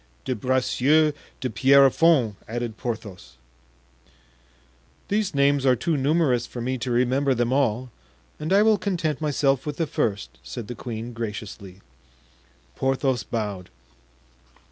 "De Bracieux de Pierrefonds," added Porthos. "These names are too numerous for me to remember them all, and I will content myself with the first," said the queen, graciously. Porthos bowed.